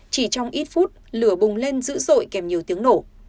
chỉ trong ít phút lửa bùng lên dữ dội kèm nhiều tiếng nổ